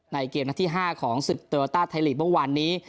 ในเกมนักที่๕ของสิทธิ์เตอร์โอต้าไทยฤทธิ์เมื่อวานนี้